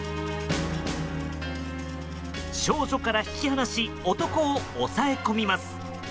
少女から引き離し男を押さえ込みます。